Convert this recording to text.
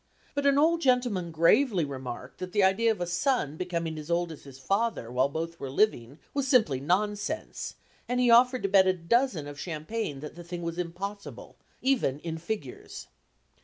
But an old gentleman gravely remarked that the idea of a son becoming as old as his father while both were living was simply nonsense, and he offered to bet a dozen of champagne that the thing was impossible, even "in figures."